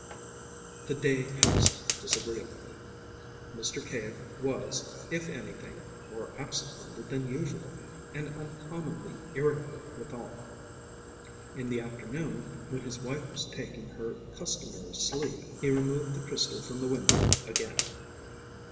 The day passed disagreeably. Mr. Cave was, if anything, more absent minded than usual, and uncommonly irritable withal. In the afternoon, when his wife was taking her customary sleep, he removed the crystal from the window again.